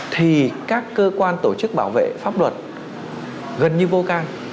thì các cơ quan tổ chức bảo vệ pháp luật gần như vô can